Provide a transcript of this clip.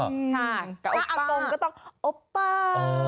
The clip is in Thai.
กับอักกงก็ต้องอักกงอาม่า